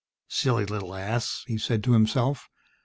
Silly little ass! he said to himself.